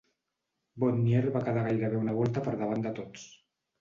Bonnier va quedar gairebé una volta per davant de tots.